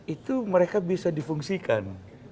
itu mereka bisa difungsikan